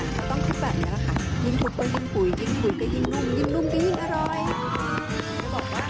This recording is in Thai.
ยิ่งหุบก็ยิ่งปุ๋ยยิ่งปุ๋ยก็ยิ่งนุ่มยิ่งนุ่มก็ยิ่งอร่อย